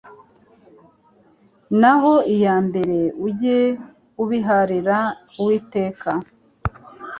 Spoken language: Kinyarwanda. naho iby'imbere ujye ubiharira Uwiteka